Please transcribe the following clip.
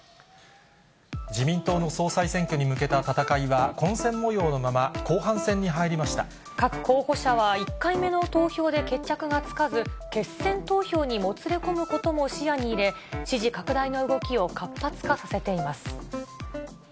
自民党の総裁選挙に向けた戦いは混戦もようのまま、後半戦に入り各候補者は１回目の投票で決着がつかず、決選投票にもつれ込むことも視野に入れ、支持拡大が動きを活発化させています。